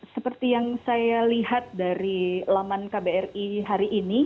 seperti yang saya lihat dari laman kbri hari ini